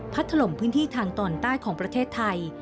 ถล่มพื้นที่ทางตอนใต้ของประเทศไทย